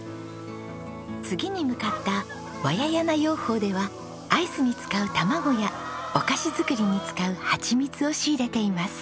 次に向かったワヤヤナ養蜂ではアイスに使う卵やお菓子作りに使うハチミツを仕入れています。